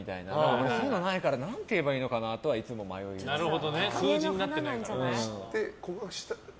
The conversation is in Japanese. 俺、そういうのないから何て言えばいいのかなとか数字になってないと。